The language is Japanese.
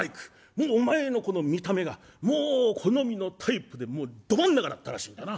もうお前のこの見た目がもう好みのタイプでもうど真ん中だったらしいんだな。